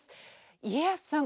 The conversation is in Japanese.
家康さん